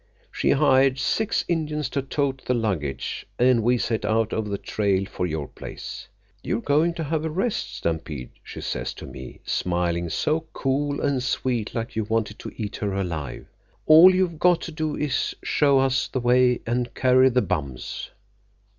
She hired six Indians to tote the luggage, and we set out over the trail for your place. 'You're goin' to have a rest, Stampede,' she says to me, smiling so cool and sweet like you wanted to eat her alive. 'All you've got to do is show us the way and carry the bums.